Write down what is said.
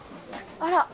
あら。